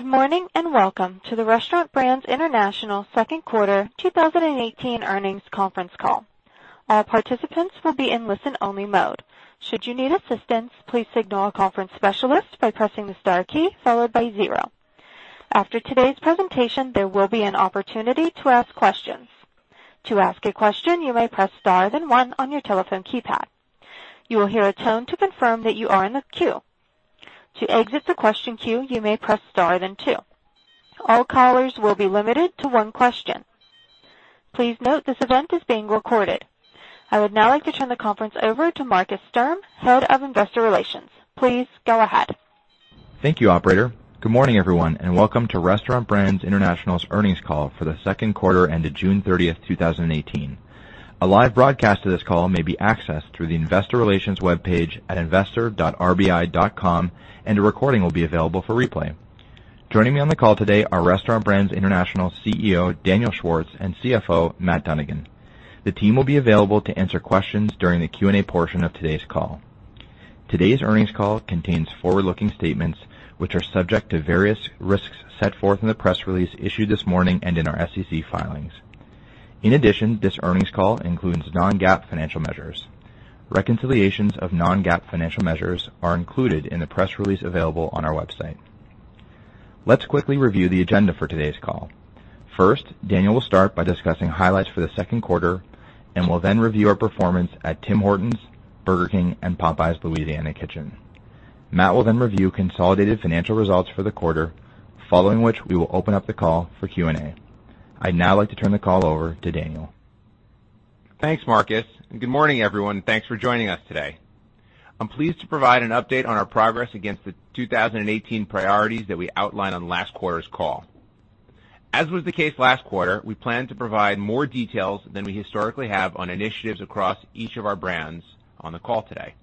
Good morning, welcome to the Restaurant Brands International second quarter 2018 earnings conference call. All participants will be in listen-only mode. Should you need assistance, please signal a conference specialist by pressing the star key followed by zero. After today's presentation, there will be an opportunity to ask questions. To ask a question, you may press star, then one on your telephone keypad. You will hear a tone to confirm that you are in the queue. To exit the question queue, you may press star, then two. All callers will be limited to one question. Please note this event is being recorded. I would now like to turn the conference over to Markus Sturm, Head of Investor Relations. Please go ahead. Thank you, operator. Good morning, everyone, welcome to Restaurant Brands International's earnings call for the second quarter ended June 30th, 2018. A live broadcast of this call may be accessed through the investor relations webpage at investor.rbi.com, a recording will be available for replay. Joining me on the call today are Restaurant Brands International CEO, Daniel Schwartz, and CFO, Matt Dunnigan. The team will be available to answer questions during the Q&A portion of today's call. Today's earnings call contains forward-looking statements, which are subject to various risks set forth in the press release issued this morning and in our SEC filings. In addition, this earnings call includes non-GAAP financial measures. Reconciliations of non-GAAP financial measures are included in the press release available on our website. Let's quickly review the agenda for today's call. First, Daniel will start by discussing highlights for the second quarter and will then review our performance at Tim Hortons, Burger King, and Popeyes Louisiana Kitchen. Matt will then review consolidated financial results for the quarter, following which we will open up the call for Q&A. I'd now like to turn the call over to Daniel. Thanks, Markus, good morning, everyone. Thanks for joining us today. I'm pleased to provide an update on our progress against the 2018 priorities that we outlined on last quarter's call. As was the case last quarter, we plan to provide more details than we historically have on initiatives across each of our brands on the call today.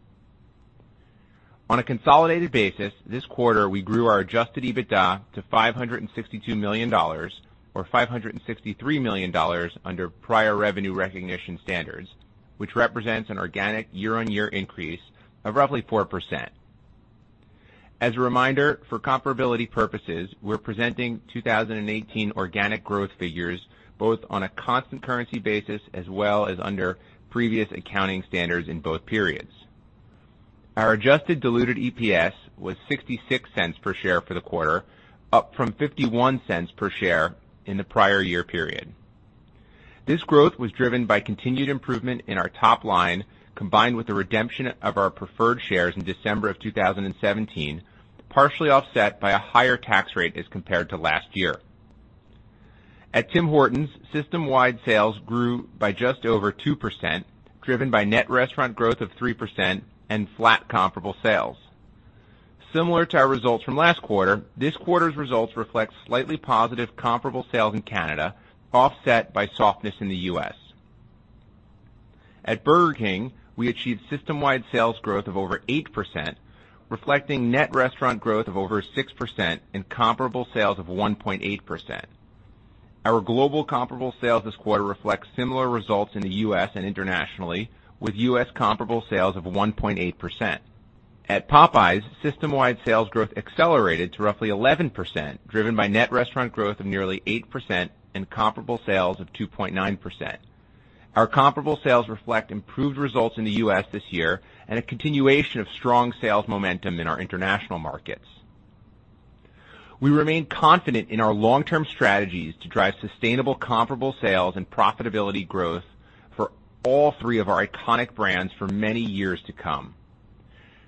On a consolidated basis, this quarter, we grew our adjusted EBITDA to 562 million dollars or 563 million dollars under prior revenue recognition standards, which represents an organic year-on-year increase of roughly 4%. As a reminder, for comparability purposes, we're presenting 2018 organic growth figures both on a constant currency basis as well as under previous accounting standards in both periods. Our adjusted diluted EPS was $0.66 per share for the quarter, up from $0.51 per share in the prior year period. This growth was driven by continued improvement in our top line, combined with the redemption of our preferred shares in December 2017, partially offset by a higher tax rate as compared to last year. At Tim Hortons, system-wide sales grew by just over 2%, driven by net restaurant growth of 3% and flat comparable sales. Similar to our results from last quarter, this quarter's results reflect slightly positive comparable sales in Canada, offset by softness in the U.S. At Burger King, we achieved system-wide sales growth of over 8%, reflecting net restaurant growth of over 6% and comparable sales of 1.8%. Our global comparable sales this quarter reflect similar results in the U.S. and internationally, with U.S. comparable sales of 1.8%. At Popeyes, system-wide sales growth accelerated to roughly 11%, driven by net restaurant growth of nearly 8% and comparable sales of 2.9%. Our comparable sales reflect improved results in the U.S. this year and a continuation of strong sales momentum in our international markets. We remain confident in our long-term strategies to drive sustainable comparable sales and profitability growth for all three of our iconic brands for many years to come.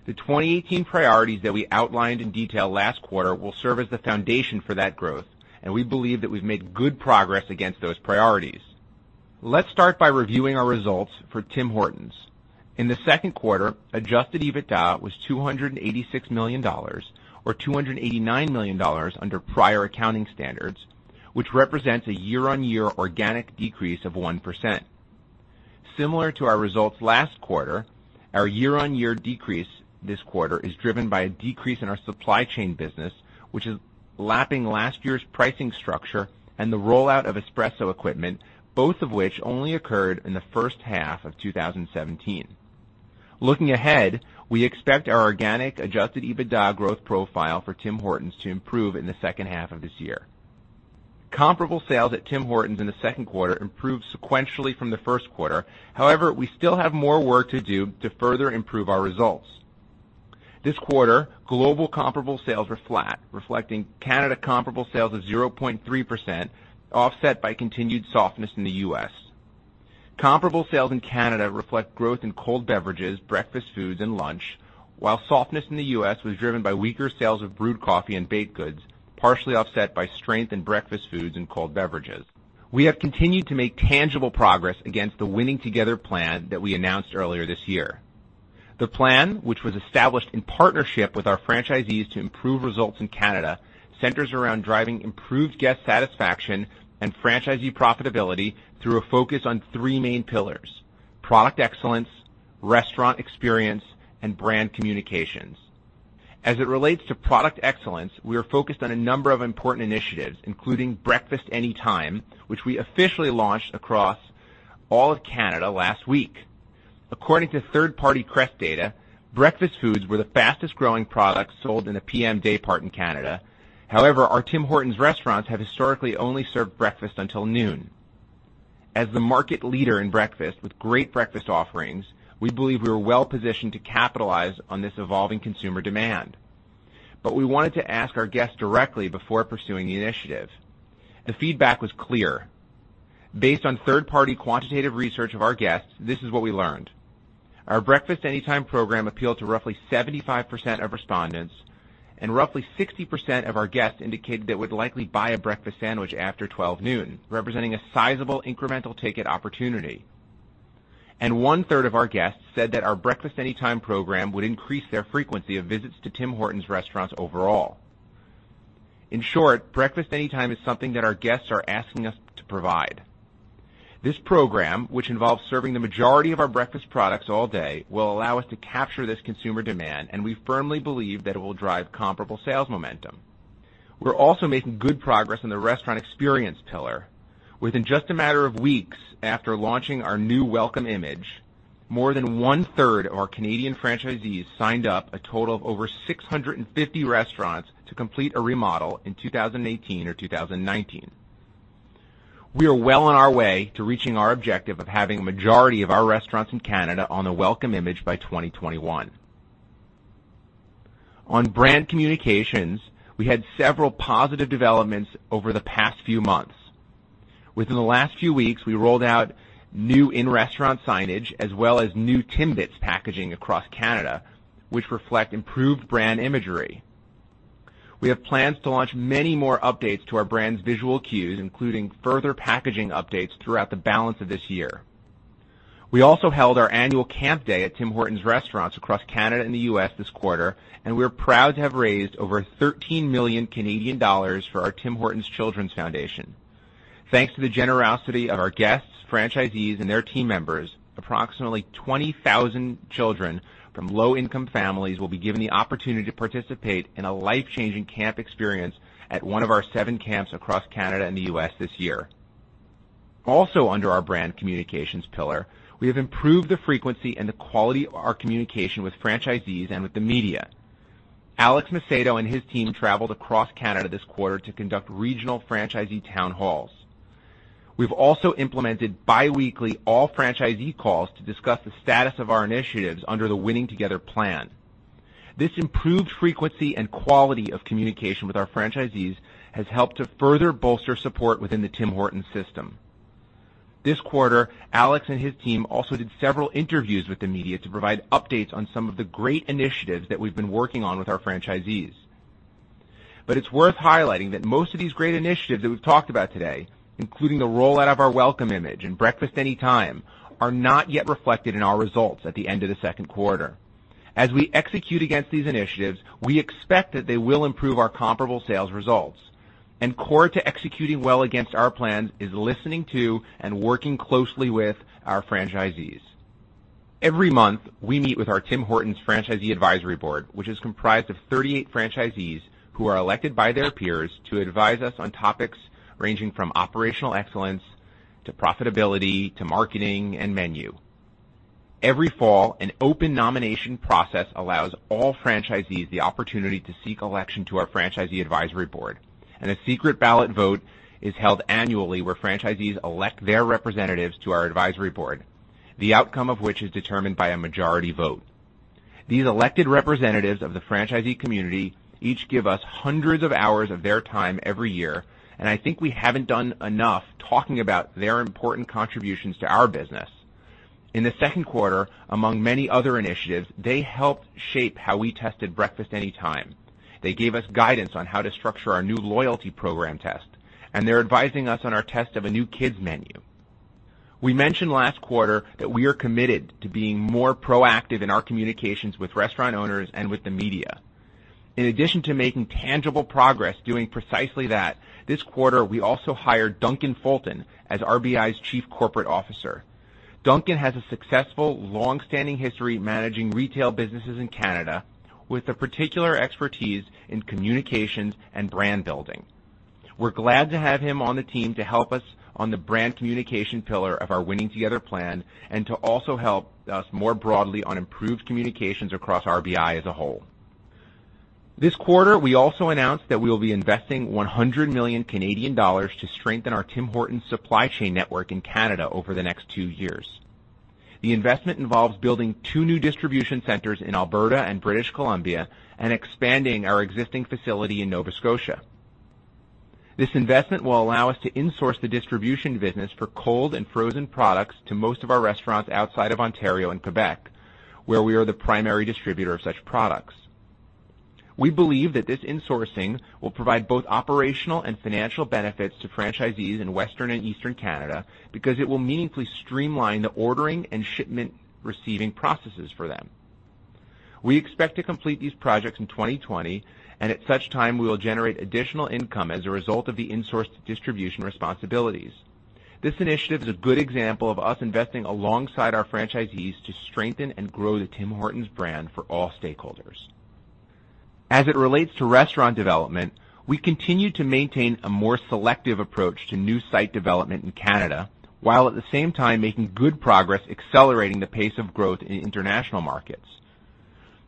The 2018 priorities that we outlined in detail last quarter will serve as the foundation for that growth. We believe that we've made good progress against those priorities. Let's start by reviewing our results for Tim Hortons. In the second quarter, adjusted EBITDA was 286 million dollars, or 289 million dollars under prior accounting standards, which represents a year-on-year organic decrease of 1%. Similar to our results last quarter, our year-on-year decrease this quarter is driven by a decrease in our supply chain business, which is lapping last year's pricing structure and the rollout of espresso equipment, both of which only occurred in the first half of 2017. Looking ahead, we expect our organic adjusted EBITDA growth profile for Tim Hortons to improve in the second half of this year. Comparable sales at Tim Hortons in the second quarter improved sequentially from the first quarter. However, we still have more work to do to further improve our results. This quarter, global comparable sales were flat, reflecting Canada comparable sales of 0.3%, offset by continued softness in the U.S. Comparable sales in Canada reflect growth in cold beverages, breakfast foods, and lunch, while softness in the U.S. was driven by weaker sales of brewed coffee and baked goods, partially offset by strength in breakfast foods and cold beverages. We have continued to make tangible progress against the Winning Together plan that we announced earlier this year. The plan, which was established in partnership with our franchisees to improve results in Canada, centers around driving improved guest satisfaction and franchisee profitability through a focus on three main pillars: product excellence, restaurant experience, and brand communications. As it relates to product excellence, we are focused on a number of important initiatives, including Breakfast Anytime, which we officially launched across all of Canada last week. According to third-party CREST data, breakfast foods were the fastest-growing products sold in the PM daypart in Canada. Our Tim Hortons restaurants have historically only served breakfast until noon. As the market leader in breakfast with great breakfast offerings, we believe we are well-positioned to capitalize on this evolving consumer demand. We wanted to ask our guests directly before pursuing the initiative. The feedback was clear. Based on third-party quantitative research of our guests, this is what we learned. Our Breakfast Anytime program appealed to roughly 75% of respondents, and roughly 60% of our guests indicated they would likely buy a breakfast sandwich after 12 noon, representing a sizable incremental ticket opportunity. One-third of our guests said that our Breakfast Anytime program would increase their frequency of visits to Tim Hortons restaurants overall. In short, Breakfast Anytime is something that our guests are asking us to provide. This program, which involves serving the majority of our breakfast products all day, will allow us to capture this consumer demand, and we firmly believe that it will drive comparable sales momentum. We're also making good progress on the restaurant experience pillar. Within just a matter of weeks after launching our new Welcome Image, more than one-third of our Canadian franchisees signed up a total of over 650 restaurants to complete a remodel in 2018 or 2019. We are well on our way to reaching our objective of having a majority of our restaurants in Canada on the Welcome Image by 2021. On brand communications, we had several positive developments over the past few months. Within the last few weeks, we rolled out new in-restaurant signage as well as new Timbits packaging across Canada, which reflect improved brand imagery. We have plans to launch many more updates to our brand's visual cues, including further packaging updates throughout the balance of this year. We also held our annual Camp Day at Tim Hortons restaurants across Canada and the U.S. this quarter, and we are proud to have raised over 13 million Canadian dollars for our Tim Hortons Children's Foundation. Thanks to the generosity of our guests, franchisees, and their team members, approximately 20,000 children from low-income families will be given the opportunity to participate in a life-changing camp experience at one of our seven camps across Canada and the U.S. this year. Also under our brand communications pillar, we have improved the frequency and the quality of our communication with franchisees and with the media. Alex Macedo and his team traveled across Canada this quarter to conduct regional franchisee town halls. We've also implemented biweekly all-franchisee calls to discuss the status of our initiatives under the Winning Together plan. This improved frequency and quality of communication with our franchisees has helped to further bolster support within the Tim Hortons system. This quarter, Alex and his team also did several interviews with the media to provide updates on some of the great initiatives that we've been working on with our franchisees. It's worth highlighting that most of these great initiatives that we've talked about today, including the rollout of our Welcome Image and Breakfast Anytime, are not yet reflected in our results at the end of the second quarter. As we execute against these initiatives, we expect that they will improve our comparable sales results, and core to executing well against our plans is listening to and working closely with our franchisees. Every month, we meet with our Tim Hortons Franchisee Advisory Board, which is comprised of 38 franchisees who are elected by their peers to advise us on topics ranging from operational excellence to profitability to marketing and menu. Every fall, an open nomination process allows all franchisees the opportunity to seek election to our Franchisee Advisory Board, a secret ballot vote is held annually where franchisees elect their representatives to our advisory board, the outcome of which is determined by a majority vote. These elected representatives of the franchisee community each give us hundreds of hours of their time every year. I think we haven't done enough talking about their important contributions to our business. In the second quarter, among many other initiatives, they helped shape how we tested Breakfast Anytime. They gave us guidance on how to structure our new loyalty program test. They're advising us on our test of a new kids menu. We mentioned last quarter that we are committed to being more proactive in our communications with restaurant owners and with the media. In addition to making tangible progress doing precisely that, this quarter, we also hired Duncan Fulton as RBI's Chief Corporate Officer. Duncan has a successful, long-standing history managing retail businesses in Canada with a particular expertise in communications and brand building. We're glad to have him on the team to help us on the brand communication pillar of our Winning Together plan to also help us more broadly on improved communications across RBI as a whole. This quarter, we also announced that we will be investing 100 million Canadian dollars to strengthen our Tim Hortons supply chain network in Canada over the next two years. The investment involves building two new distribution centers in Alberta and British Columbia and expanding our existing facility in Nova Scotia. This investment will allow us to insource the distribution business for cold and frozen products to most of our restaurants outside of Ontario and Quebec, where we are the primary distributor of such products. We believe that this insourcing will provide both operational and financial benefits to franchisees in Western and Eastern Canada because it will meaningfully streamline the ordering and shipment receiving processes for them. We expect to complete these projects in 2020. At such time, we will generate additional income as a result of the insourced distribution responsibilities. This initiative is a good example of us investing alongside our franchisees to strengthen and grow the Tim Hortons brand for all stakeholders. As it relates to restaurant development, we continue to maintain a more selective approach to new site development in Canada, while at the same time making good progress accelerating the pace of growth in international markets.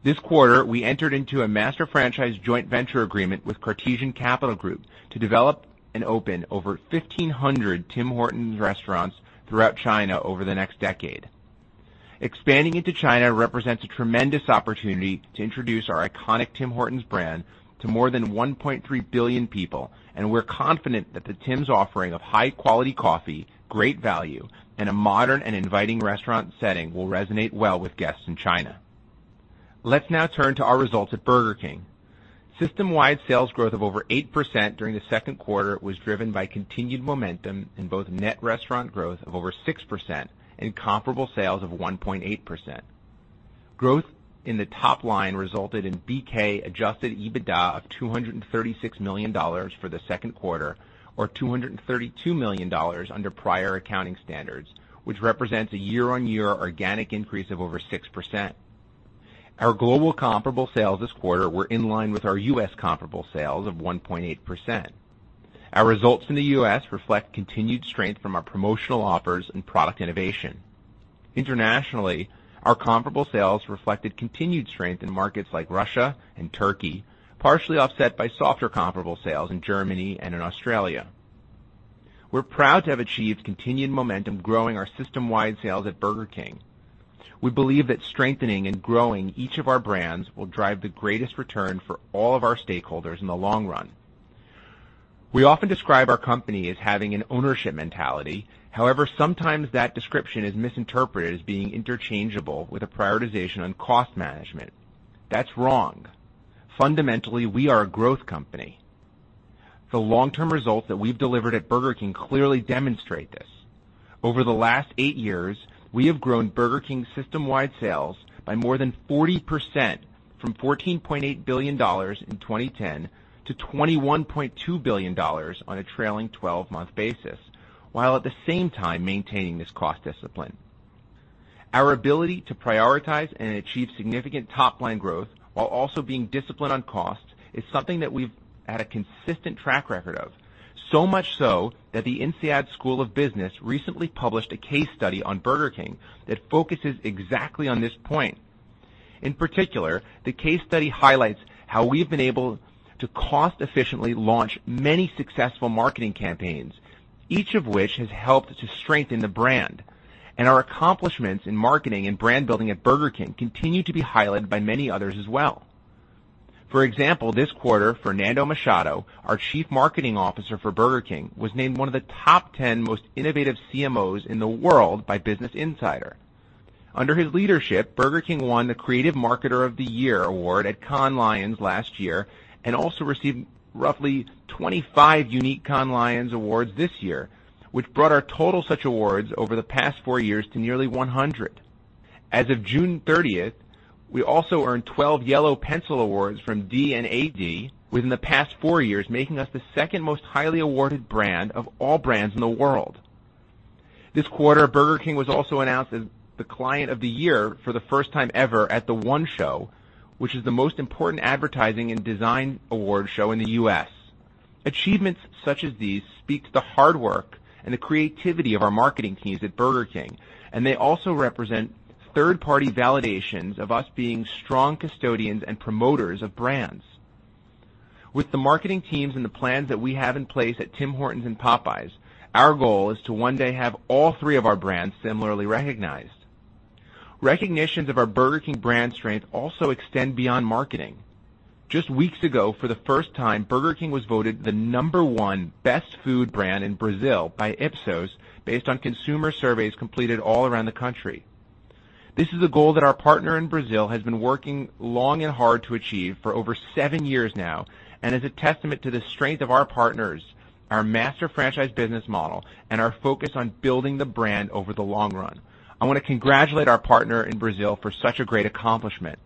This quarter, we entered into a master franchise joint venture agreement with Cartesian Capital Group to develop and open over 1,500 Tim Hortons restaurants throughout China over the next decade. Expanding into China represents a tremendous opportunity to introduce our iconic Tim Hortons brand to more than 1.3 billion people. We're confident that the Tim's offering of high-quality coffee, great value, and a modern and inviting restaurant setting will resonate well with guests in China. Let's now turn to our results at Burger King. System-wide sales growth of over 8% during the second quarter was driven by continued momentum in both net restaurant growth of over 6% and comparable sales of 1.8%. Growth in the top line resulted in BK adjusted EBITDA of 236 million dollars for the second quarter, or 232 million dollars under prior accounting standards, which represents a year-on-year organic increase of over 6%. Our global comparable sales this quarter were in line with our U.S. comparable sales of 1.8%. Our results in the U.S. reflect continued strength from our promotional offers and product innovation. Internationally, our comparable sales reflected continued strength in markets like Russia and Turkey, partially offset by softer comparable sales in Germany and in Australia. We are proud to have achieved continued momentum growing our system-wide sales at Burger King. We believe that strengthening and growing each of our brands will drive the greatest return for all of our stakeholders in the long run. We often describe our company as having an ownership mentality. Sometimes that description is misinterpreted as being interchangeable with a prioritization on cost management. That is wrong. Fundamentally, we are a growth company. The long-term results that we have delivered at Burger King clearly demonstrate this. Over the last eight years, we have grown Burger King system-wide sales by more than 40%, from 14.8 billion dollars in 2010 to 21.2 billion dollars on a trailing 12-month basis, while at the same time maintaining this cost discipline. Our ability to prioritize and achieve significant top-line growth while also being disciplined on cost is something that we have had a consistent track record of. Much so that the INSEAD School of Business recently published a case study on Burger King that focuses exactly on this point. In particular, the case study highlights how we have been able to cost-efficiently launch many successful marketing campaigns, each of which has helped to strengthen the brand. Our accomplishments in marketing and brand building at Burger King continue to be highlighted by many others as well. For example, this quarter, Fernando Machado, our Chief Marketing Officer for Burger King, was named one of the top 10 most innovative CMOs in the world by Business Insider. Under his leadership, Burger King won the Creative Marketer of the Year award at Cannes Lions last year and also received roughly 25 unique Cannes Lions awards this year, which brought our total such awards over the past four years to nearly 100. As of June 30th, we also earned 12 Yellow Pencil awards from D&AD within the past four years, making us the second most highly awarded brand of all brands in the world. This quarter, Burger King was also announced as the Client of the Year for the first time ever at The One Show, which is the most important advertising and design award show in the U.S. Achievements such as these speak to the hard work and the creativity of our marketing teams at Burger King. They also represent third-party validations of us being strong custodians and promoters of brands. With the marketing teams and the plans that we have in place at Tim Hortons and Popeyes, our goal is to one day have all three of our brands similarly recognized. Recognitions of our Burger King brand strength also extend beyond marketing. Just weeks ago, for the first time, Burger King was voted the number 1 best food brand in Brazil by Ipsos based on consumer surveys completed all around the country. This is a goal that our partner in Brazil has been working long and hard to achieve for over 7 years now and is a testament to the strength of our partners, our master franchise business model, and our focus on building the brand over the long run. I want to congratulate our partner in Brazil for such a great accomplishment.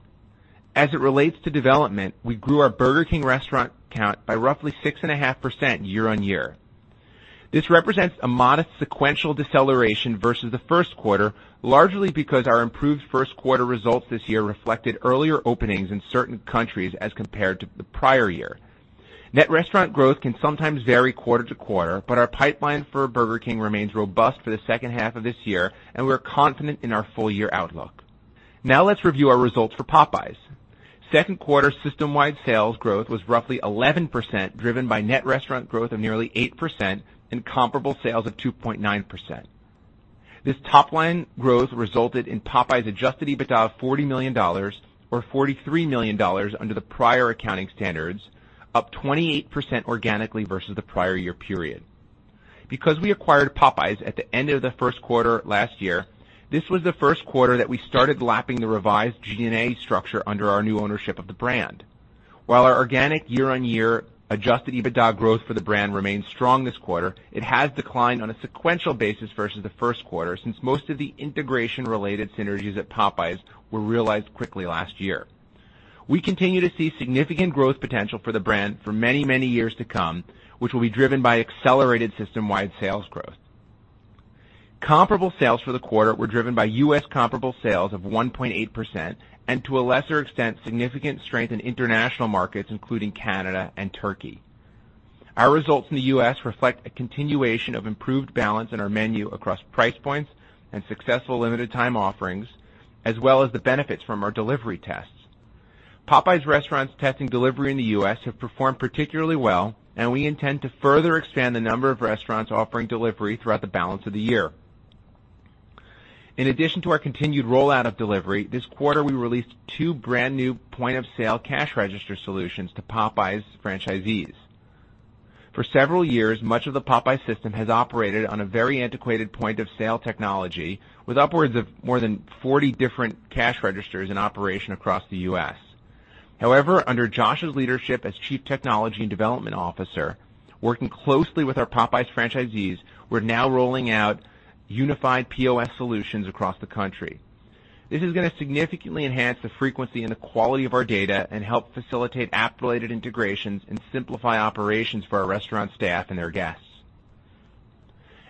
As it relates to development, we grew our Burger King restaurant count by roughly 6.5% year-on-year. This represents a modest sequential deceleration versus the first quarter, largely because our improved first quarter results this year reflected earlier openings in certain countries as compared to the prior year. Net restaurant growth can sometimes vary quarter-to-quarter, but our pipeline for Burger King remains robust for the second half of this year and we're confident in our full year outlook. Now let's review our results for Popeyes. Second quarter system-wide sales growth was roughly 11%, driven by net restaurant growth of nearly 8% and comparable sales of 2.9%. This top-line growth resulted in Popeyes adjusted EBITDA of $40 million or $43 million under the prior accounting standards, up 28% organically versus the prior year period. Because we acquired Popeyes at the end of the first quarter last year, this was the first quarter that we started lapping the revised G&A structure under our new ownership of the brand. Our organic year-on-year adjusted EBITDA growth for the brand remains strong this quarter, it has declined on a sequential basis versus the first quarter since most of the integration-related synergies at Popeyes were realized quickly last year. We continue to see significant growth potential for the brand for many, many years to come, which will be driven by accelerated system-wide sales growth. Comparable sales for the quarter were driven by U.S. comparable sales of 1.8%, and to a lesser extent, significant strength in international markets, including Canada and Turkey. Our results in the U.S. reflect a continuation of improved balance in our menu across price points and successful limited time offerings, as well as the benefits from our delivery tests. Popeyes restaurants testing delivery in the U.S. have performed particularly well, and we intend to further expand the number of restaurants offering delivery throughout the balance of the year. In addition to our continued rollout of delivery, this quarter we released 2 brand new point-of-sale cash register solutions to Popeyes franchisees. For several years, much of the Popeyes system has operated on a very antiquated point-of-sale technology, with upwards of more than 40 different cash registers in operation across the U.S. Under Josh's leadership as Chief Technology and Development Officer, working closely with our Popeyes franchisees, we're now rolling out unified POS solutions across the country. This is going to significantly enhance the frequency and the quality of our data and help facilitate app-related integrations and simplify operations for our restaurant staff and their guests.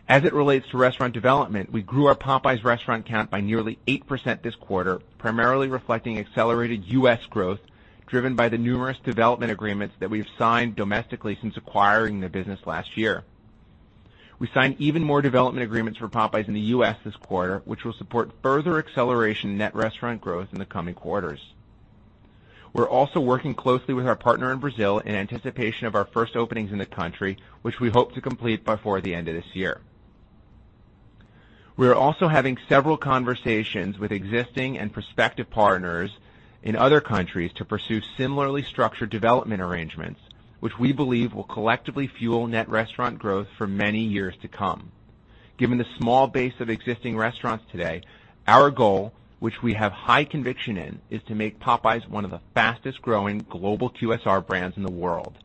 As it relates to restaurant development, we grew our Popeyes restaurant count by nearly 8% this quarter, primarily reflecting accelerated U.S. growth, driven by the numerous development agreements that we've signed domestically since acquiring the business last year. We signed even more development agreements for Popeyes in the U.S. this quarter, which will support further acceleration net restaurant growth in the coming quarters. We are also working closely with our partner in Brazil in anticipation of our first openings in the country, which we hope to complete before the end of this year. We are also having several conversations with existing and prospective partners in other countries to pursue similarly structured development arrangements, which we believe will collectively fuel net restaurant growth for many years to come. Given the small base of existing restaurants today, our goal, which we have high conviction in, is to make Popeyes one of the fastest-growing global QSR brands in the world.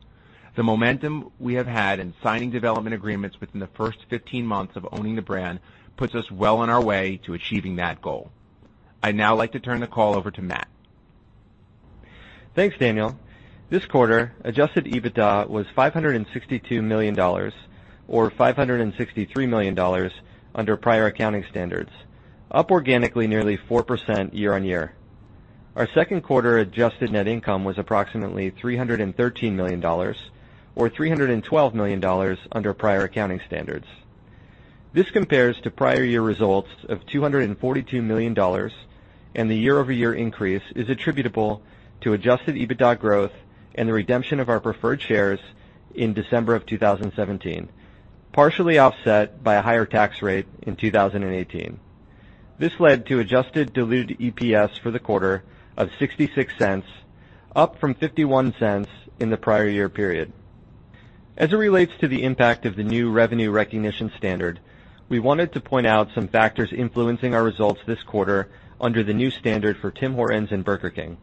The momentum we have had in signing development agreements within the first 15 months of owning the brand puts us well on our way to achieving that goal. I would now like to turn the call over to Matt. Thanks, Daniel. This quarter, adjusted EBITDA was $562 million, or $563 million under prior accounting standards, up organically nearly 4% year-over-year. Our second quarter adjusted net income was approximately $313 million, or $312 million under prior accounting standards. This compares to prior year results of $242 million. The year-over-year increase is attributable to adjusted EBITDA growth and the redemption of our preferred shares in December of 2017, partially offset by a higher tax rate in 2018. This led to adjusted diluted EPS for the quarter of $0.66, up from $0.51 in the prior year period. As it relates to the impact of the new revenue recognition standard, we wanted to point out some factors influencing our results this quarter under the new standard for Tim Hortons and Burger King.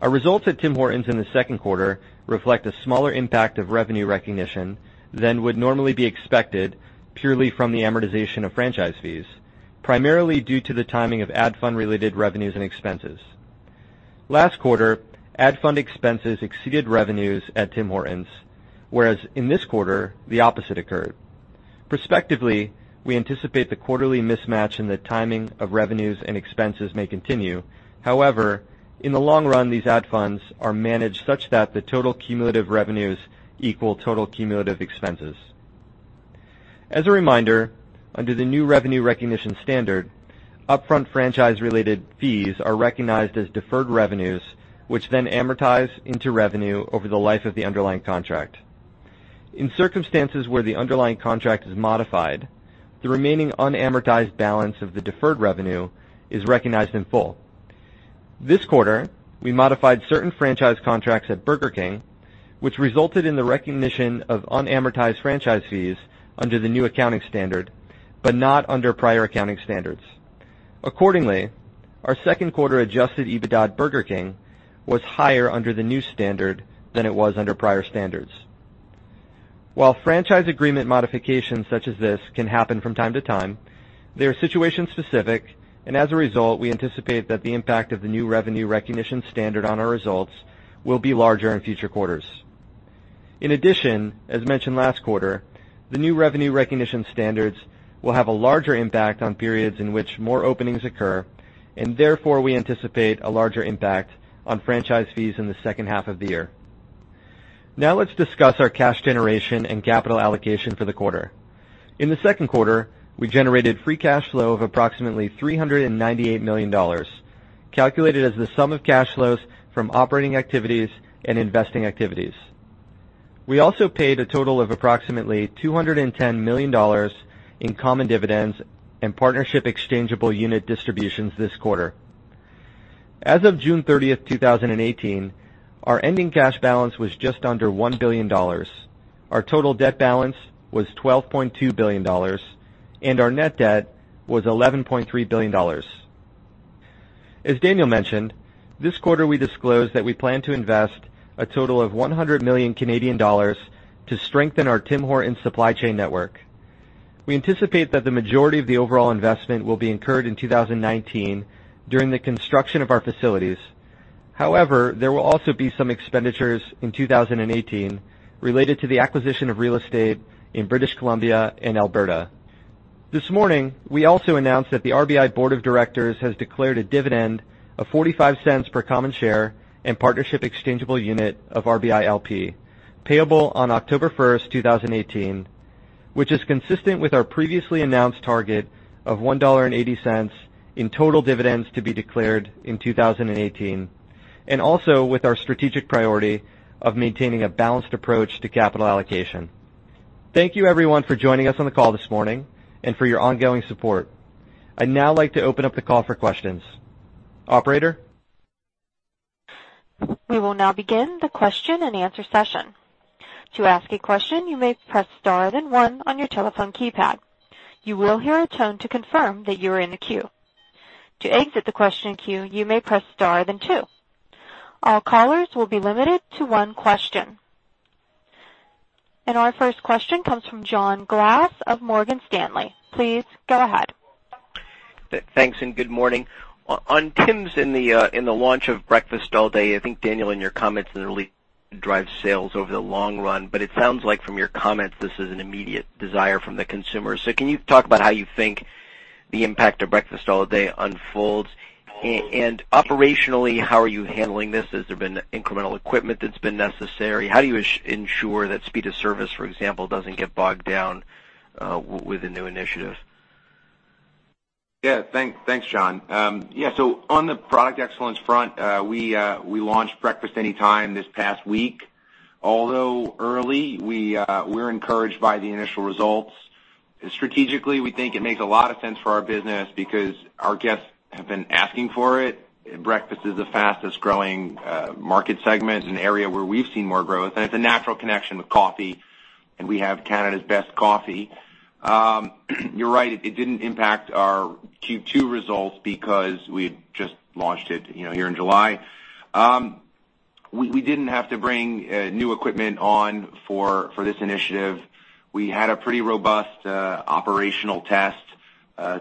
Our results at Tim Hortons in the second quarter reflect a smaller impact of revenue recognition than would normally be expected purely from the amortization of franchise fees, primarily due to the timing of ad fund-related revenues and expenses. Last quarter, ad fund expenses exceeded revenues at Tim Hortons, whereas in this quarter, the opposite occurred. Prospectively, we anticipate the quarterly mismatch in the timing of revenues and expenses may continue. However, in the long run, these ad funds are managed such that the total cumulative revenues equal total cumulative expenses. As a reminder, under the new revenue recognition standard, upfront franchise-related fees are recognized as deferred revenues, which then amortize into revenue over the life of the underlying contract. In circumstances where the underlying contract is modified, the remaining unamortized balance of the deferred revenue is recognized in full. This quarter, we modified certain franchise contracts at Burger King, which resulted in the recognition of unamortized franchise fees under the new accounting standard, but not under prior accounting standards. Accordingly, our second quarter adjusted EBITDA at Burger King was higher under the new standard than it was under prior standards. While franchise agreement modifications such as this can happen from time to time, they are situation specific, and as a result, we anticipate that the impact of the new revenue recognition standard on our results will be larger in future quarters. In addition, as mentioned last quarter, the new revenue recognition standards will have a larger impact on periods in which more openings occur, and therefore, we anticipate a larger impact on franchise fees in the second half of the year. Now let's discuss our cash generation and capital allocation for the quarter. In the second quarter, we generated free cash flow of approximately 398 million dollars, calculated as the sum of cash flows from operating activities and investing activities. We also paid a total of approximately 210 million dollars in common dividends and partnership exchangeable unit distributions this quarter. As of June 30th, 2018, our ending cash balance was just under 1 billion dollars. Our total debt balance was 12.2 billion dollars, and our net debt was 11.3 billion dollars. As Daniel mentioned, this quarter we disclosed that we plan to invest a total of 100 million Canadian dollars to strengthen our Tim Hortons supply chain network. We anticipate that the majority of the overall investment will be incurred in 2019 during the construction of our facilities There will also be some expenditures in 2018 related to the acquisition of real estate in British Columbia and Alberta. This morning, we also announced that the RBI Board of Directors has declared a dividend of 0.45 per common share and partnership exchangeable unit of RBI LP, payable on October 1st, 2018, which is consistent with our previously announced target of 1.80 dollar in total dividends to be declared in 2018, and also with our strategic priority of maintaining a balanced approach to capital allocation. Thank you everyone for joining us on the call this morning and for your ongoing support. I'd now like to open up the call for questions. Operator? We will now begin the question and answer session. To ask a question, you may press star then one on your telephone keypad. You will hear a tone to confirm that you are in the queue. To exit the question queue, you may press star then two. All callers will be limited to one question. Our first question comes from John Glass of Morgan Stanley. Please go ahead. Thanks. Good morning. On Tim Hortons and the launch of Breakfast Anytime, I think, Daniel, in your comments, it really drives sales over the long run, but it sounds like from your comments, this is an immediate desire from the consumer. Can you talk about how you think the impact of Breakfast Anytime unfolds, operationally, how are you handling this? Has there been incremental equipment that's been necessary? How do you ensure that speed of service, for example, doesn't get bogged down with the new initiative? Thanks, John. On the product excellence front, we launched Breakfast Anytime this past week. Although early, we're encouraged by the initial results. Strategically, we think it makes a lot of sense for our business because our guests have been asking for it. Breakfast is the fastest-growing market segment and area where we've seen more growth. It's a natural connection with coffee, and we have Canada's best coffee. You're right, it didn't impact our Q2 results because we had just launched it here in July. We didn't have to bring new equipment on for this initiative. We had a pretty robust operational test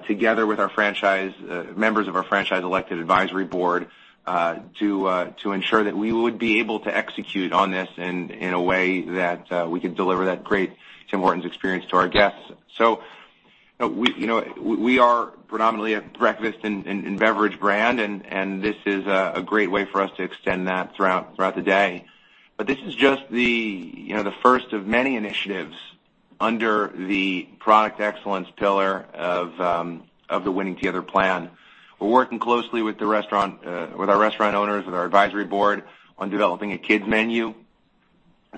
together with members of our Tim Hortons Franchisee Advisory Board, to ensure that we would be able to execute on this in a way that we could deliver that great Tim Hortons experience to our guests. We are predominantly a breakfast and beverage brand, and this is a great way for us to extend that throughout the day. This is just the first of many initiatives under the product excellence pillar of the Winning Together plan. We're working closely with our restaurant owners, with our advisory board, on developing a kids menu,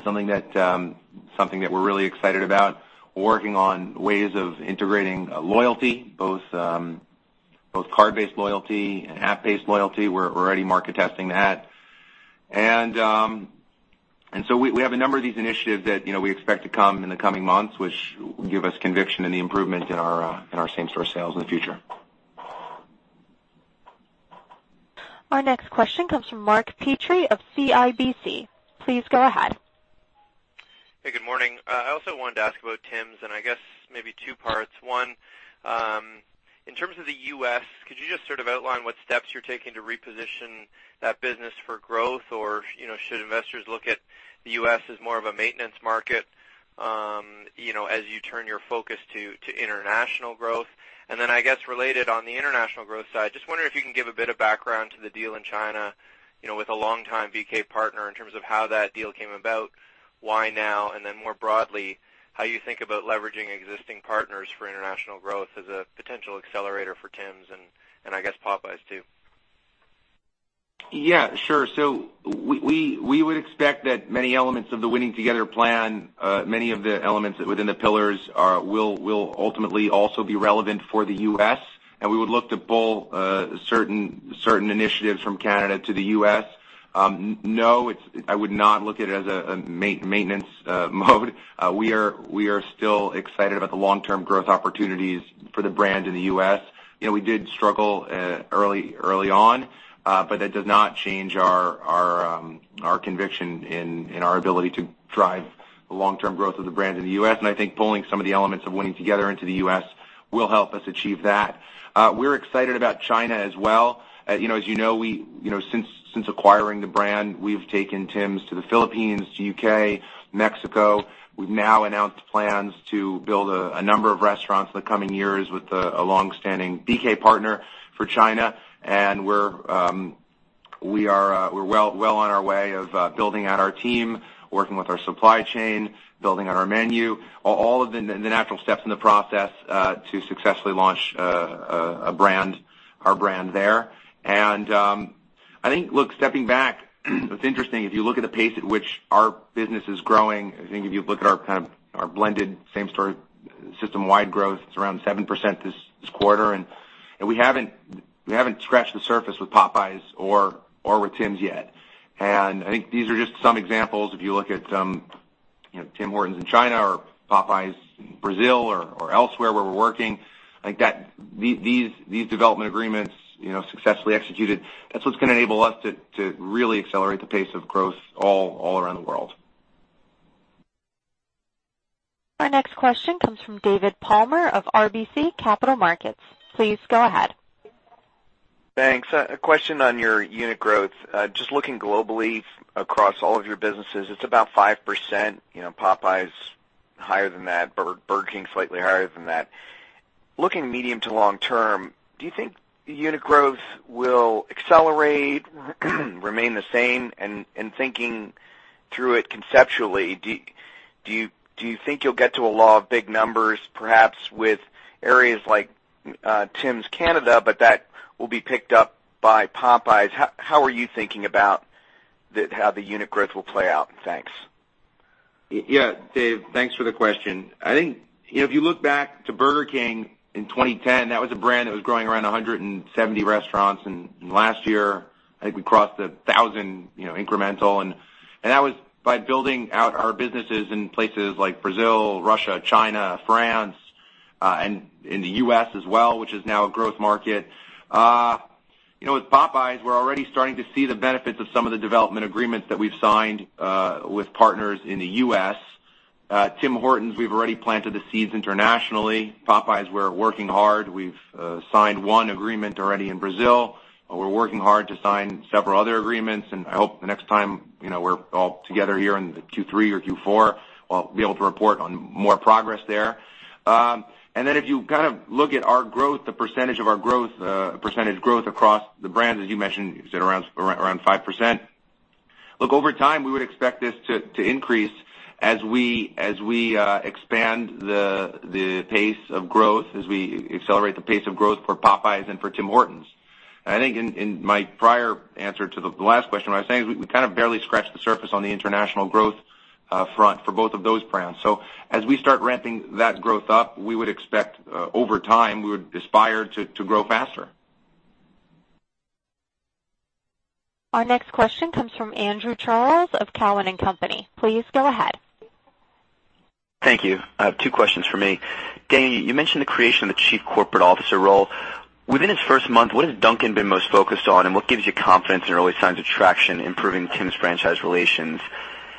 something that we're really excited about. We're working on ways of integrating loyalty, both card-based loyalty and app-based loyalty. We're already market testing that. We have a number of these initiatives that we expect to come in the coming months, which give us conviction in the improvement in our same-store sales in the future. Our next question comes from Mark Petrie of CIBC. Please go ahead. Hey, good morning. I also wanted to ask about Tim's, and I guess maybe two parts. One, in terms of the U.S., could you just sort of outline what steps you're taking to reposition that business for growth? Or should investors look at the U.S. as more of a maintenance market as you turn your focus to international growth? I guess related on the international growth side, just wondering if you can give a bit of background to the deal in China, with a longtime BK partner, in terms of how that deal came about, why now, and more broadly, how you think about leveraging existing partners for international growth as a potential accelerator for Tim's and I guess Popeyes too. Yeah, sure. We would expect that many elements of the Winning Together plan, many of the elements within the pillars will ultimately also be relevant for the U.S., and we would look to pull certain initiatives from Canada to the U.S. No, I would not look at it as a maintenance mode. We are still excited about the long-term growth opportunities for the brand in the U.S. We did struggle early on, but that does not change our conviction in our ability to drive the long-term growth of the brand in the U.S., and I think pulling some of the elements of Winning Together into the U.S. will help us achieve that. We're excited about China as well. As you know, since acquiring the brand, we've taken Tim's to the Philippines, to U.K., Mexico. We've now announced plans to build a number of restaurants in the coming years with a long-standing BK partner for China, and we're well on our way of building out our team, working with our supply chain, building out our menu, all of the natural steps in the process to successfully launch our brand there. I think, look, stepping back, what's interesting, if you look at the pace at which our business is growing, I think if you look at our blended same-store system-wide growth, it's around 7% this quarter, and we haven't scratched the surface with Popeyes or with Tim's yet. I think these are just some examples. If you look at Tim Hortons in China or Popeyes in Brazil or elsewhere where we're working, these development agreements successfully executed, that's what's going to enable us to really accelerate the pace of growth all around the world. Our next question comes from David Palmer of RBC Capital Markets. Please go ahead. Thanks. A question on your unit growth. Just looking globally across all of your businesses, it is about 5%, Popeyes higher than that, Burger King slightly higher than that. Looking medium to long term, do you think the unit growth will accelerate, remain the same? Thinking through it conceptually, do you think you will get to a law of big numbers, perhaps with areas like Tim's Canada, but that will be picked up by Popeyes? How are you thinking about how the unit growth will play out? Thanks. Yeah, Dave, thanks for the question. I think if you look back to Burger King in 2010, that was a brand that was growing around 170 restaurants. Last year, I think we crossed 1,000 incremental. That was by building out our businesses in places like Brazil, Russia, China, France, and in the U.S. as well, which is now a growth market. With Popeyes, we are already starting to see the benefits of some of the development agreements that we have signed with partners in the U.S. Tim Hortons, we have already planted the seeds internationally. Popeyes, we are working hard. We have signed one agreement already in Brazil. We are working hard to sign several other agreements, and I hope the next time we are all together here in the Q3 or Q4, I will be able to report on more progress there. If you look at our growth, the percentage of our growth, percentage growth across the brands, as you mentioned, it is at around 5%. Look, over time, we would expect this to increase as we expand the pace of growth, as we accelerate the pace of growth for Popeyes and for Tim Hortons. I think in my prior answer to the last question, what I was saying is we kind of barely scratched the surface on the international growth front for both of those brands. As we start ramping that growth up, we would expect over time, we would aspire to grow faster. Our next question comes from Andrew Charles of Cowen and Company. Please go ahead. Thank you. I have two questions for me. Dan, you mentioned the creation of the Chief Corporate Officer role. Within his first month, what has Duncan been most focused on, and what gives you confidence in early signs of traction improving Tim Hortons' franchise relations?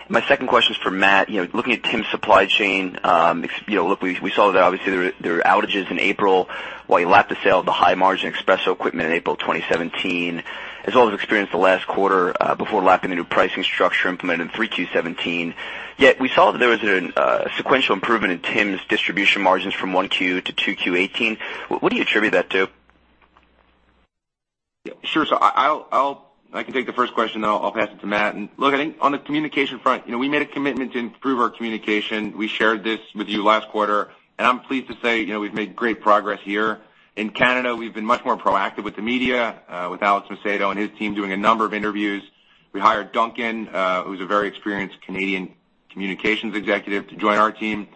My second question is for Matt. Looking at Tim Hortons' supply chain, we saw that obviously there were outages in April while you lapped the sale of the high-margin espresso equipment in April 2017, as well as experienced the last quarter before lapping the new pricing structure implemented in 3Q 2017. Yet we saw that there was a sequential improvement in Tim Hortons' distribution margins from 1Q to 2Q 2018. What do you attribute that to? Sure. I can take the first question, then I'll pass it to Matt. I think on the communication front, we made a commitment to improve our communication. We shared this with you last quarter, and I'm pleased to say we've made great progress here. In Canada, we've been much more proactive with the media, with Alexandre Macedo and his team doing a number of interviews. We hired Duncan, who's a very experienced Canadian communications executive, to join our team.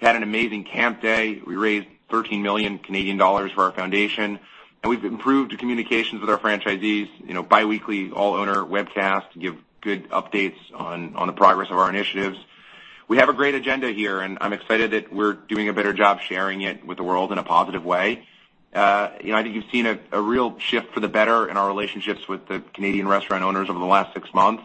We had an amazing Camp Day. We raised 13 million Canadian dollars for our Foundation, and we've improved communications with our franchisees, bi-weekly all-owner webcasts to give good updates on the progress of our initiatives. We have a great agenda here. I'm excited that we're doing a better job sharing it with the world in a positive way. I think you've seen a real shift for the better in our relationships with the Canadian restaurant owners over the last six months.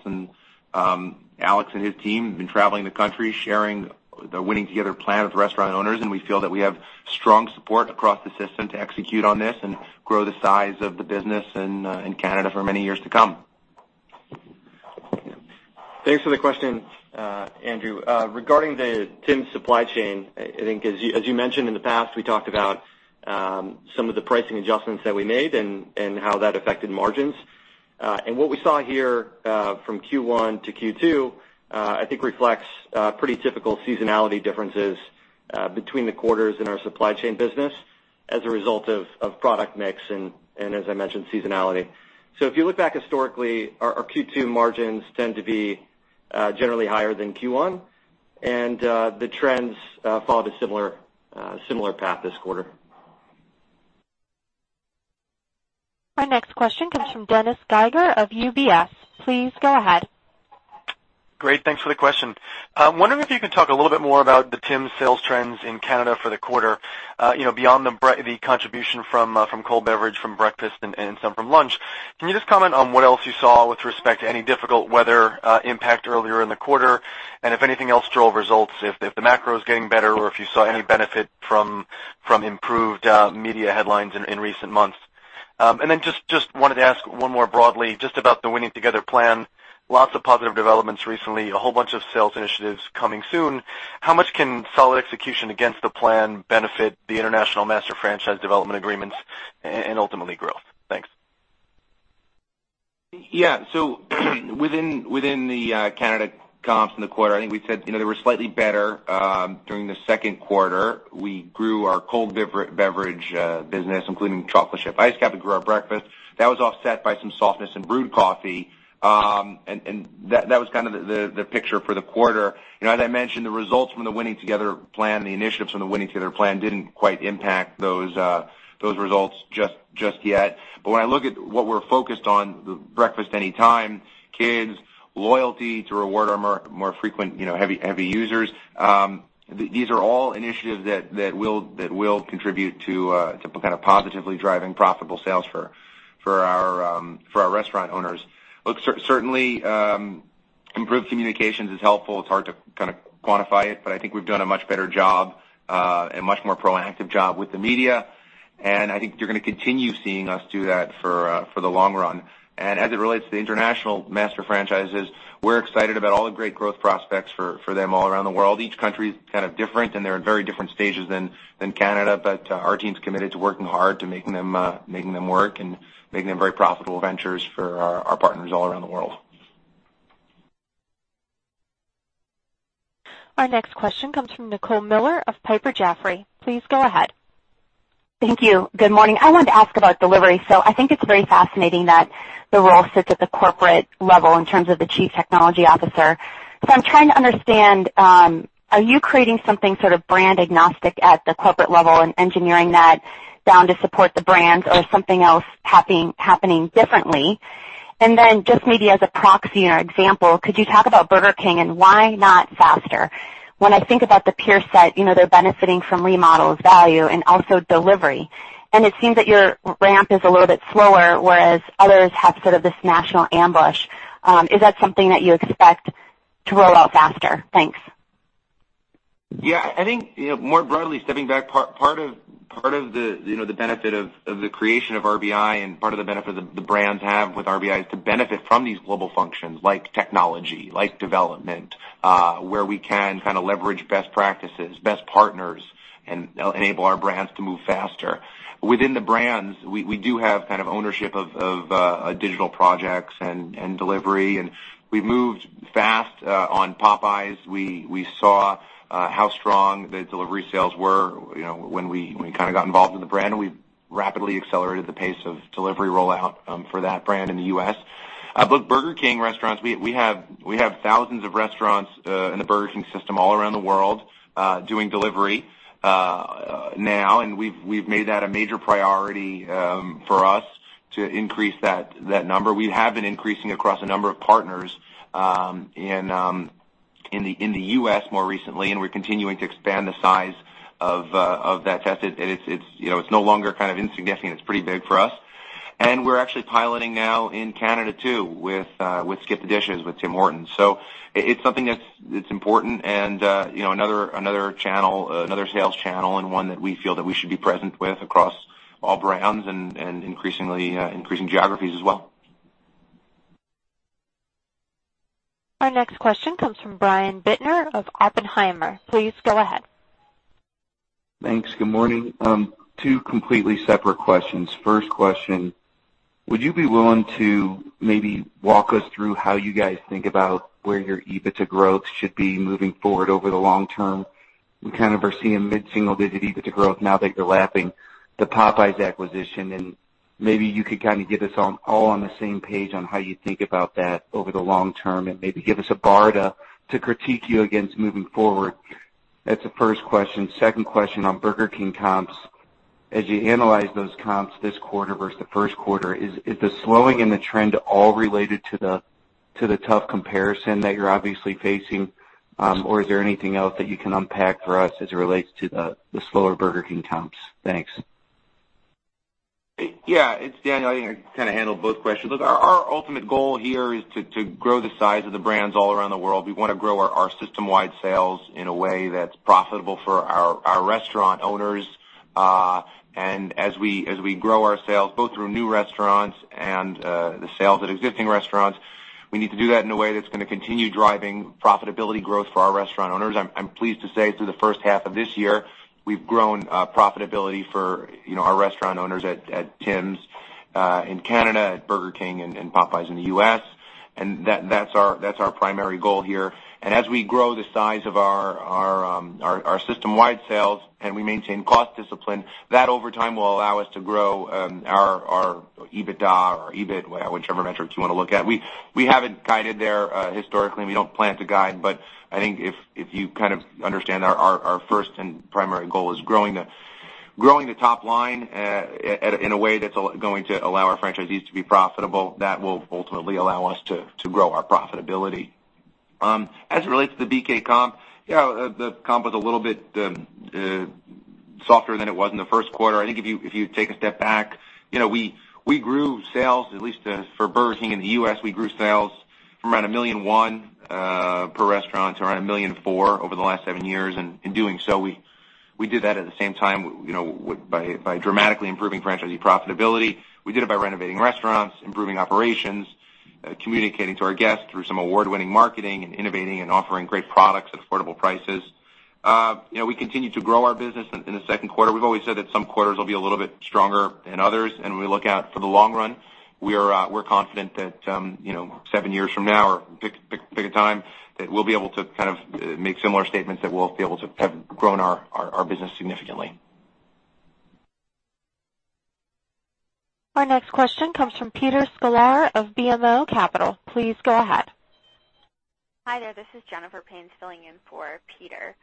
Alex and his team have been traveling the country sharing the Winning Together plan with restaurant owners, and we feel that we have strong support across the system to execute on this and grow the size of the business in Canada for many years to come. Thanks for the question, Andrew. Regarding the Tim Hortons' supply chain, I think as you mentioned in the past, we talked about some of the pricing adjustments that we made and how that affected margins. What we saw here from Q1 to Q2, I think reflects pretty typical seasonality differences between the quarters in our supply chain business as a result of product mix and as I mentioned, seasonality. If you look back historically, our Q2 margins tend to be generally higher than Q1, and the trends followed a similar path this quarter. Our next question comes from Dennis Geiger of UBS. Please go ahead. Great. Thanks for the question. I'm wondering if you could talk a little bit more about the Tim's sales trends in Canada for the quarter beyond the contribution from cold beverage, from breakfast and some from lunch. Can you just comment on what else you saw with respect to any difficult weather impact earlier in the quarter and if anything else drove results, if the macro is getting better or if you saw any benefit from improved media headlines in recent months? Just wanted to ask one more broadly, just about the Winning Together plan. Lots of positive developments recently, a whole bunch of sales initiatives coming soon. How much can solid execution against the plan benefit the international master franchise development agreements and ultimately growth? Thanks. Yeah. Within the Canada comps in the quarter, I think we said they were slightly better during the second quarter. We grew our cold beverage business, including chocolate chip Iced Capp, and grew our breakfast. That was offset by some softness in brewed coffee, and that was kind of the picture for the quarter. As I mentioned, the results from the Winning Together plan and the initiatives from the Winning Together plan didn't quite impact those results just yet. When I look at what we're focused on, Breakfast Anytime, kids, loyalty to reward our more frequent heavy users, these are all initiatives that will contribute to kind of positively driving profitable sales for our restaurant owners. Look, certainly improved communications is helpful. It's hard to kind of quantify it, but I think we've done a much better job, and much more proactive job with the media, and I think you're going to continue seeing us do that for the long run. As it relates to the international master franchises, we're excited about all the great growth prospects for them all around the world. Each country is kind of different, and they're at very different stages than Canada, but our team's committed to working hard to making them work and making them very profitable ventures for our partners all around the world. Our next question comes from Nicole Miller of Piper Jaffray. Please go ahead. Thank you. Good morning. I wanted to ask about delivery. I think it's very fascinating that the role sits at the corporate level in terms of the chief technology officer. I'm trying to understand, are you creating something sort of brand agnostic at the corporate level and engineering that down to support the brands or is something else happening differently? Just maybe as a proxy or example, could you talk about Burger King and why not faster? When I think about the peer set, they're benefiting from remodels, value, and also delivery, and it seems that your ramp is a little bit slower, whereas others have sort of this national ambush. Is that something that you expect to roll out faster? Thanks. Yeah. I think more broadly stepping back, part of the benefit of the creation of RBI and part of the benefit the brands have with RBI is to benefit from these global functions like technology, like development, where we can leverage best practices, best partners, and enable our brands to move faster. Within the brands, we do have kind of ownership of digital projects and delivery, and we've moved fast on Popeyes. We saw how strong the delivery sales were when we got involved in the brand, and we rapidly accelerated the pace of delivery rollout for that brand in the U.S. Burger King restaurants, we have thousands of restaurants in the Burger King system all around the world doing delivery now, and we've made that a major priority for us to increase that number. We have been increasing across a number of partners in the U.S. more recently. We're continuing to expand the size of that test. It's no longer kind of insignificant. It's pretty big for us. We're actually piloting now in Canada too, with Skip The Dishes, with Tim Hortons. It's something that's important and another sales channel and one that we feel that we should be present with across all brands and increasing geographies as well. Our next question comes from Brian Bittner of Oppenheimer. Please go ahead. Thanks. Good morning. Two completely separate questions. First question, would you be willing to maybe walk us through how you guys think about where your EBITDA growth should be moving forward over the long term? We kind of are seeing mid-single-digit EBITDA growth now that you're lapping the Popeyes acquisition, and maybe you could kind of get us all on the same page on how you think about that over the long term and maybe give us a bar to critique you against moving forward. That's the first question. Second question on Burger King comps. As you analyze those comps this quarter versus the first quarter, is the slowing in the trend all related to the tough comparison that you're obviously facing? Or is there anything else that you can unpack for us as it relates to the slower Burger King comps? Thanks. It's Daniel. I kind of handled both questions. Our ultimate goal here is to grow the size of the brands all around the world. We want to grow our system-wide sales in a way that's profitable for our restaurant owners. As we grow our sales both through new restaurants and the sales at existing restaurants, we need to do that in a way that's going to continue driving profitability growth for our restaurant owners. I'm pleased to say through the first half of this year, we've grown profitability for our restaurant owners at Tim's in Canada, at Burger King and Popeyes in the U.S., and that's our primary goal here. As we grow the size of our system-wide sales and we maintain cost discipline, that over time will allow us to grow our EBITDA or EBIT, whichever metrics you want to look at. We haven't guided there historically, and we don't plan to guide. If you kind of understand our first and primary goal is growing the top line in a way that's going to allow our franchisees to be profitable, that will ultimately allow us to grow our profitability. As it relates to the BK comp, the comp was a little bit softer than it was in the first quarter. If you take a step back, we grew sales, at least for Burger King in the U.S., we grew sales from around $1,100,000 per restaurant to around $1,400,00 over the last seven years. In doing so, we did that at the same time by dramatically improving franchisee profitability. We did it by renovating restaurants, improving operations, communicating to our guests through some award-winning marketing, and innovating and offering great products at affordable prices. We continue to grow our business in the second quarter. We've always said that some quarters will be a little bit stronger than others, and we look out for the long run. We're confident that seven years from now or pick a time, that we'll be able to kind of make similar statements that we'll be able to have grown our business significantly. Our next question comes from Peter Sklar of BMO Capital. Please go ahead. Hi there. This is Jennifer Panes filling in for Peter.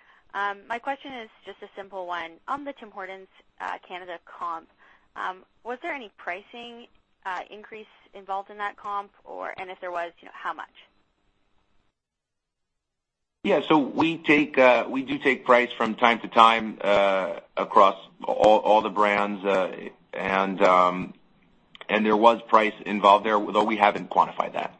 My question is just a simple one. On the Tim Hortons Canada comp, was there any pricing increase involved in that comp? If there was, how much? Yeah. We do take price from time to time across all the brands, and there was price involved there, though we haven't quantified that.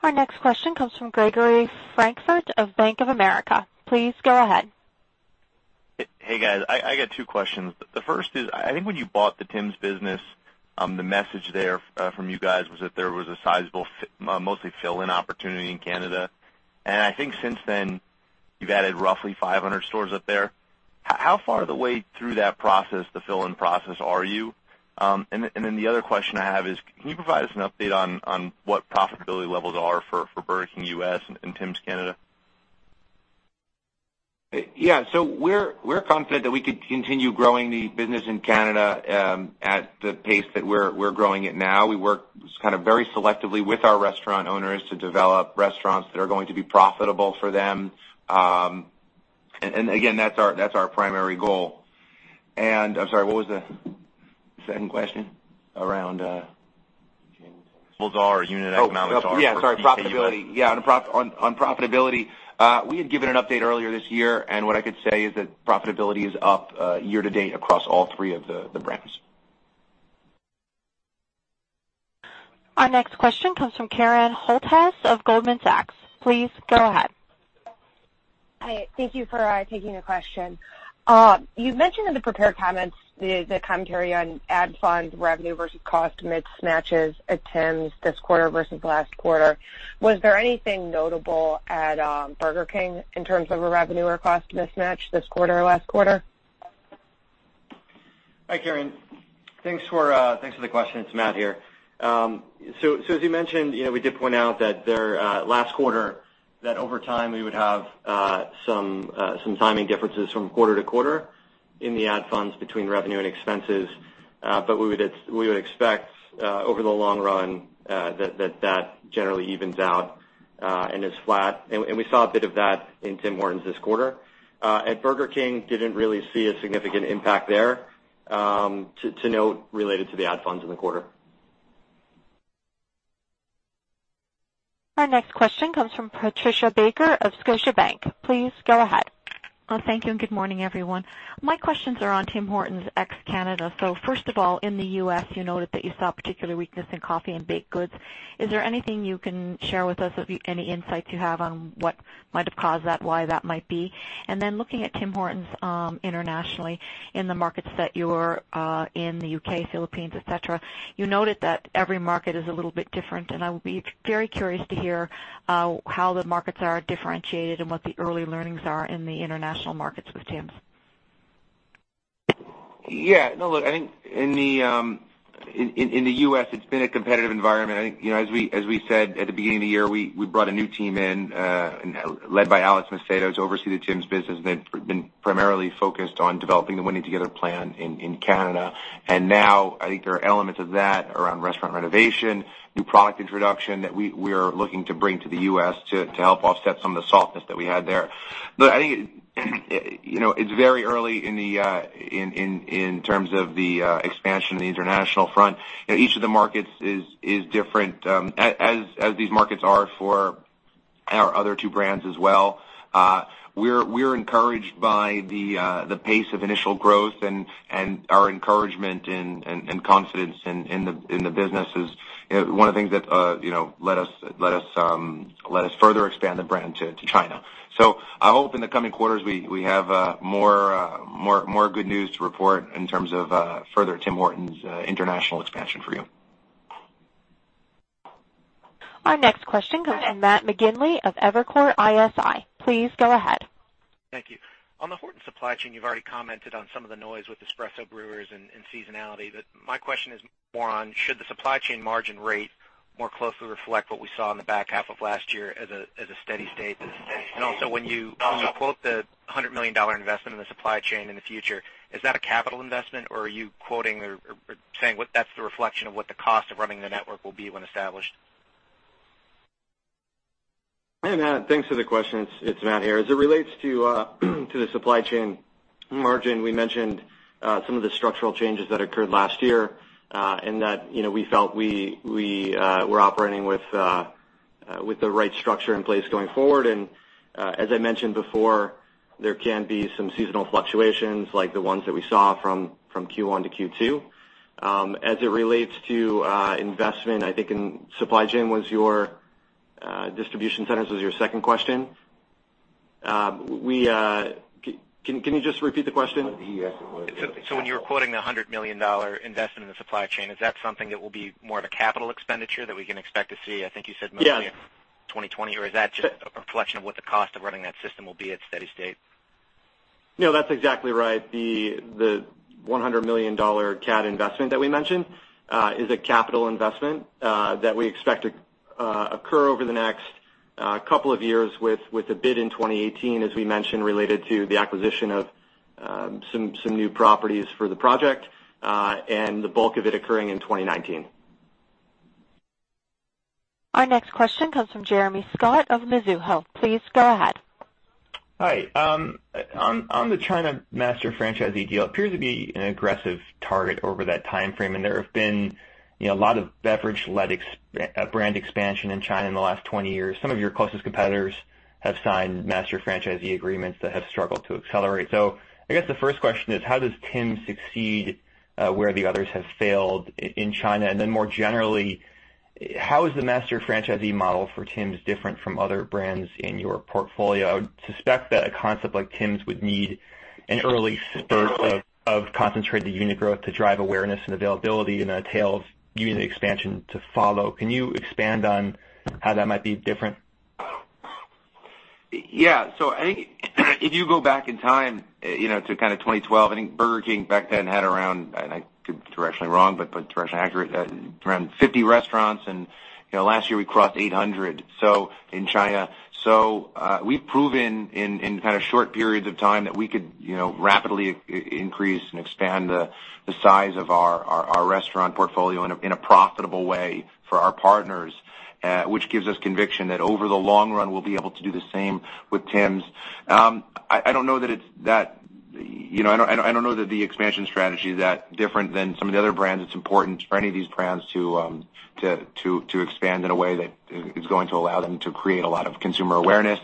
Our next question comes from Gregory Francfort of Bank of America. Please go ahead. Hey, guys. I got two questions. The first is, I think when you bought the Tim's business, the message there from you guys was that there was a sizable, mostly fill-in opportunity in Canada. I think since then, you've added roughly 500 stores up there. How far the way through that process, the fill-in process are you? Then the other question I have is, can you provide us an update on what profitability levels are for Burger King U.S. and Tim's Canada? Yeah. We're confident that we could continue growing the business in Canada at the pace that we're growing it now. We work kind of very selectively with our restaurant owners to develop restaurants that are going to be profitable for them. Again, that's our primary goal. I'm sorry, what was the second question around- Profitability or unit economics are- Oh, yeah, sorry. Profitability. On profitability, we had given an update earlier this year, and what I could say is that profitability is up year-to-date across all three of the brands. Our next question comes from Karen Holthouse of Goldman Sachs. Please go ahead. Hi. Thank you for taking the question. You've mentioned in the prepared comments the commentary on ad fund revenue versus cost mismatches at Tim's this quarter versus last quarter. Was there anything notable at Burger King in terms of a revenue or cost mismatch this quarter or last quarter? Hi, Karen. Thanks for the question. It's Matt here. As you mentioned, we did point out that there, last quarter, that over time we would have some timing differences from quarter-to-quarter in the ad funds between revenue and expenses. We would expect over the long run that generally evens out and is flat. We saw a bit of that in Tim Hortons this quarter. At Burger King, didn't really see a significant impact there to note related to the ad funds in the quarter. Our next question comes from Patricia Baker of Scotiabank. Please go ahead. Thank you and good morning, everyone. My questions are on Tim Hortons ex Canada. First of all, in the U.S., you noted that you saw particular weakness in coffee and baked goods. Is there anything you can share with us, any insights you have on what might have caused that, why that might be? Then looking at Tim Hortons internationally in the markets that you're in, the U.K., Philippines, et cetera, you noted that every market is a little bit different, and I would be very curious to hear how the markets are differentiated and what the early learnings are in the international markets with Tim's. Yeah. No, look, I think in the U.S., it's been a competitive environment. I think as we said at the beginning of the year, we brought a new team in, led by Alexandre Macedo, to oversee the Tim's business. They've been primarily focused on developing the Winning Together plan in Canada. Now I think there are elements of that around restaurant renovation, new product introduction that we are looking to bring to the U.S. to help offset some of the softness that we had there. I think it's very early in terms of the expansion of the international front. Each of the markets is different, as these markets are for our other two brands as well. We're encouraged by the pace of initial growth and our encouragement and confidence in the business is one of the things that let us further expand the brand to China. I hope in the coming quarters, we have more good news to report in terms of further Tim Hortons international expansion for you. Our next question comes from Matt McGinley of Evercore ISI. Please go ahead. Thank you. On the Hortons supply chain, you've already commented on some of the noise with espresso brewers and seasonality. My question is more on should the supply chain margin rate more closely reflect what we saw in the back half of last year as a steady state? Also when you quote the 100 million dollar investment in the supply chain in the future, is that a capital investment or are you quoting or saying that's the reflection of what the cost of running the network will be when established? Hey, Matt. Thanks for the question. It's Matt here. As it relates to the supply chain margin, we mentioned some of the structural changes that occurred last year, and that we felt we were operating with the right structure in place going forward. As I mentioned before, there can be some seasonal fluctuations like the ones that we saw from Q1 to Q2. As it relates to investment, I think in supply chain was your distribution centers was your second question. Can you just repeat the question? He asked it was- When you were quoting the 100 million dollar investment in the supply chain, is that something that will be more of a capital expenditure that we can expect to see, I think you said mostly in 2020? Or is that just a reflection of what the cost of running that system will be at steady state? No, that's exactly right. The 100 million CAD investment that we mentioned, is a capital investment, that we expect to occur over the next couple of years with a bid in 2018, as we mentioned, related to the acquisition of some new properties for the project, and the bulk of it occurring in 2019. Our next question comes from Jeremy Scott of Mizuho. Please go ahead. Hi. On the China master franchisee deal, it appears to be an aggressive target over that timeframe, and there have been a lot of beverage-led brand expansion in China in the last 20 years. Some of your closest competitors have signed master franchisee agreements that have struggled to accelerate. I guess the first question is, how does Tim succeed where the others have failed in China? And then more generally, how is the master franchisee model for Tim's different from other brands in your portfolio? I would suspect that a concept like Tim's would need an early spurt of concentrated unit growth to drive awareness and availability, and that tails unit expansion to follow. Can you expand on how that might be different? Yeah. I think if you go back in time to kind of 2012, I think Burger King back then had around, and I could be directionally wrong, but directionally accurate, around 50 restaurants, and last year we crossed 800 in China. We've proven in kind of short periods of time that we could rapidly increase and expand the size of our restaurant portfolio in a profitable way for our partners, which gives us conviction that over the long run, we'll be able to do the same with Tim's. I don't know that the expansion strategy is that different than some of the other brands. It's important for any of these brands to expand in a way that is going to allow them to create a lot of consumer awareness.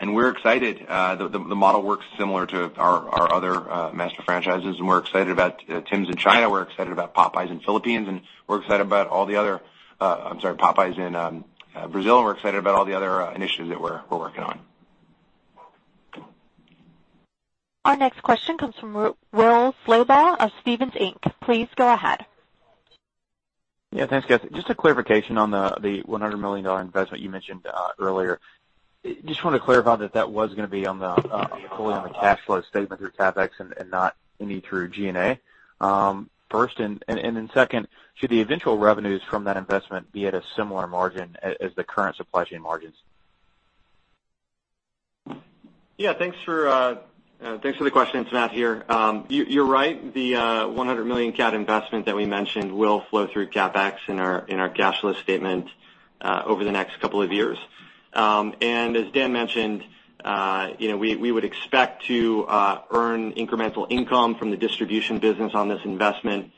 We're excited the model works similar to our other master franchises, and we're excited about Tim's in China, we're excited about Popeyes in Philippines, and we're excited about all the other I'm sorry, Popeyes in Brazil, and we're excited about all the other initiatives that we're working on. Our next question comes from Will Slabaugh of Stephens Inc. Please go ahead. Yeah, thanks guys. Just a clarification on the 100 million dollar investment you mentioned earlier. Just wanted to clarify that that was gonna be on the fully on the cash flow statement through CapEx and not any through G&A first, and then second, should the eventual revenues from that investment be at a similar margin as the current supply chain margins? Yeah, thanks for the question. It's Matt here. You're right. The 100 million CAD CapEx investment that we mentioned will flow through CapEx in our cash flow statement over the next couple of years. As Dan mentioned, we would expect to earn incremental income from the distribution business on this investment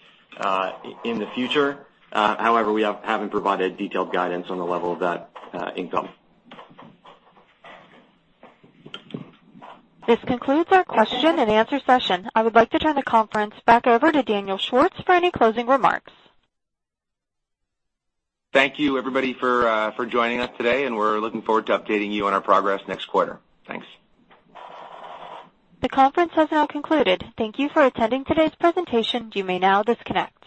in the future. However, we haven't provided detailed guidance on the level of that income. This concludes our question and answer session. I would like to turn the conference back over to Daniel Schwartz for any closing remarks. Thank you everybody for joining us today, and we're looking forward to updating you on our progress next quarter. Thanks. The conference has now concluded. Thank you for attending today's presentation. You may now disconnect.